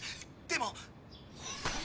でも。